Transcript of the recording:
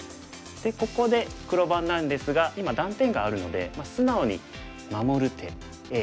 でここで黒番なんですが今断点があるので素直に守る手Ａ。